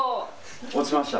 落ちました。